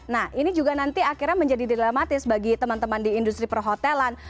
nah ini juga nanti akhirnya menjadi dilematis bagi teman teman di industri perhotelan